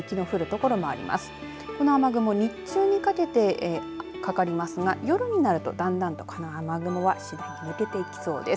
この雨雲、日中にかけてかかりますが夜になるとだんだんとこの雨雲は次第に抜けていきそうです。